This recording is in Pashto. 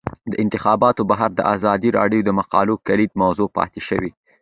د انتخاباتو بهیر د ازادي راډیو د مقالو کلیدي موضوع پاتې شوی.